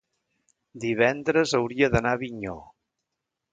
divendres hauria d'anar a Avinyó.